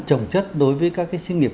trồng chất đối với các cái sinh nghiệp